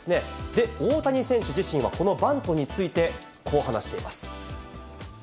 で、大谷選手自身は、このバントについて、こう話しています。